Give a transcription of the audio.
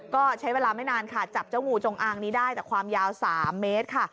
ก็ใช้เวลาไม่นานค่ะจับเจ้างูจงอางนี้ได้แต่ความยาว๓เมตรค่ะ